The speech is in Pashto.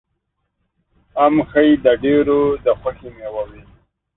ام ښایي د ډېرو د خوښې مېوه وي.